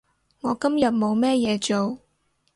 我今日冇咩嘢做